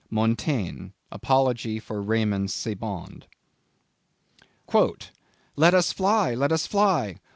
—MONTAIGNE. —Apology for Raimond Sebond. "Let us fly, let us fly!